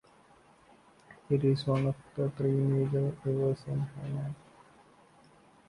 It is one of the three major rivers in Hainan.